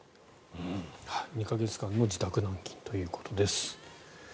２か月間の自宅軟禁ということです。